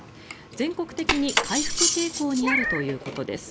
全国的に回復傾向にあるということです。